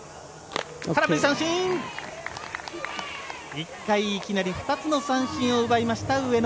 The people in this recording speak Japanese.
１回、いきなり２つの三振を奪いました、上野。